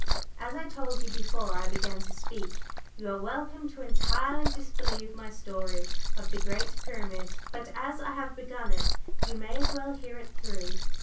As I told you before I began to speak, you are welcome to entirely disbelieve my story of the Great Pyramid, but as I have begun it, you may as well hear it through."